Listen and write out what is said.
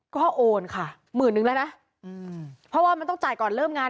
ก็โอนค่ะหมื่นนึงแล้วนะเพราะว่ามันต้องจ่ายก่อนเริ่มงาน